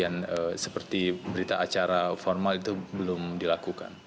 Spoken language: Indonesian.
dan seperti berita acara formal itu belum dilakukan